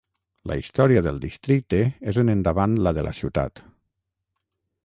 La història del districte és en endavant la de la ciutat.